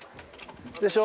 でしょ？